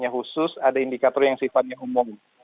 khusus ada indikator yang sifatnya umum